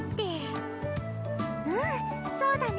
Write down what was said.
うんそうだね。